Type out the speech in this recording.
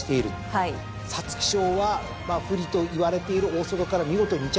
皐月賞は不利といわれている大外から見事２着。